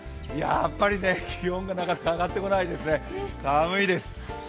やっぱり気温がなかなか上がってこないですね、寒いです。